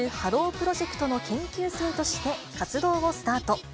プロジェクトの研究生として活動をスタート。